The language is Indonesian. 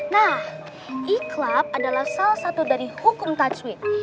nah ikhlak adalah salah satu dari hukum tajwid